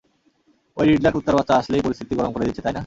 ঐ রিডলার কুত্তার বাচ্চাটা আসলেই, পরিস্থিতি গরম করে দিচ্ছে, তাই না?